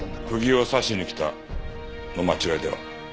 釘を刺しに来たの間違いでは？